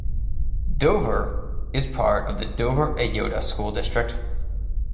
Dover is part of the Dover-Eyota School District.